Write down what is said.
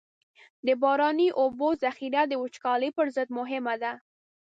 د باراني اوبو ذخیره د وچکالۍ پر ضد مهمه ده.